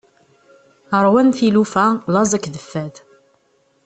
Ṛwan tilufa laẓ akked fad.